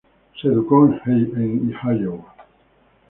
Se educó en Iowa.